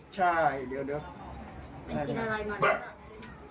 ใช่เดี๋ยว